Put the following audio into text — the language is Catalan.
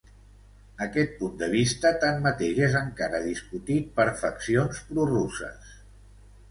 Aquest punt de vista tanmateix és encara discutit per faccions prorusses.